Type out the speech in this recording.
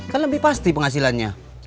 kan lebih pasti penghasilannya